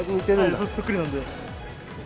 そっくりなんで。